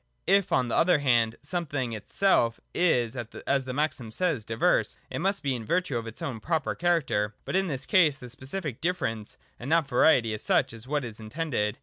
If, on the other hand, the something itself is as the maxim says diverse, it must be in virtue of its own proper character : but in this case the specific difference, and not variety as such, is what is intended.